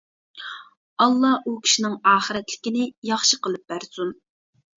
ئاللا ئۇ كىشىنىڭ ئاخىرەتلىكىنى ياخشى قىلىپ بەرسۇن.